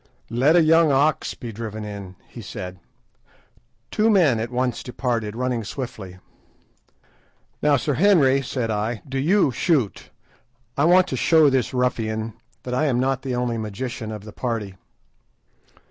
"Let a young ox be driven in," he said. Two men at once departed, running swiftly. "Now, Sir Henry," said I, "do you shoot. I want to show this ruffian that I am not the only magician of the party."